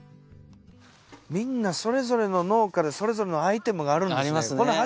みんなそれぞれの農家でそれぞれのアイテムがあるんですね。